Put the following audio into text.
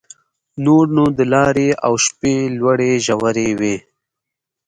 نور نو د لارې او شپې لوړې ژورې وې.